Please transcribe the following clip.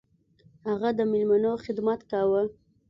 هغه د میلمنو خدمت کاوه.